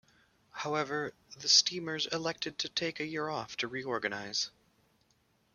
However, the Steamers elected to take a year off to reorganize.